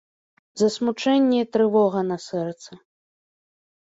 Засмучэнне і трывога на сэрцы.